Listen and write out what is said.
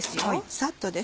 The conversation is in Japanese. サッとです。